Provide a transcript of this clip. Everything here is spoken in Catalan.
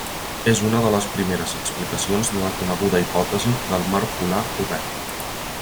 És una de les primeres explicacions de la coneguda hipòtesi del mar polar obert.